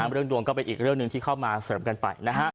เรื่องดวงก็เป็นอีกเรื่องหนึ่งที่เข้ามาเสริมกันไป